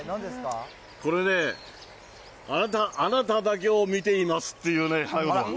これね、あなただけを見ていますっていう花言葉。